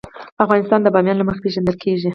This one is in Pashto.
افغانستان د بامیان له مخې پېژندل کېږي.